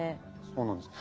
そうなんです。